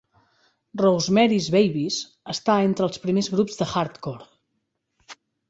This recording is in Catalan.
Rosemary's Babies està entre els primers grups de hardcore.